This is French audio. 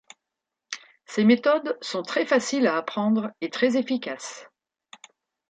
Ces méthodes sont très faciles à apprendre et très efficaces.